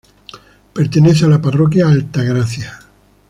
Pertenece a la Parroquia Altagracia.